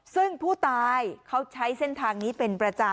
ซึ่งผู้ตายเขาใช้เส้นทางนี้เป็นประจำ